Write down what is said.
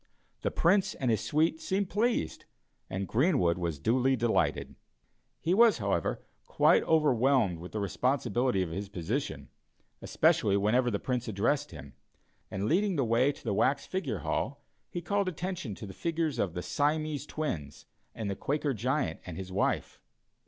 The Prince and his suite seemed pleased, and Greenwood was duly delighted. He was, however, quite overwhelmed with the responsibility of his position, especially whenever the Prince addressed him, and leading the way to the wax figure hall he called attention to the figures of the Siamese Twins and the Quaker Giant and his wife.